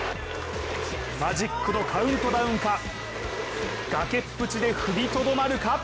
マジックのカウントダウンか崖っぷちで踏みとどまるか。